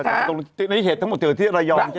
เข้าใจตรงนี้เห็นทั้งหมดที่ระยองใช่ไหม